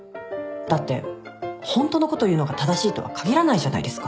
だってホントのこと言うのが正しいとは限らないじゃないですか。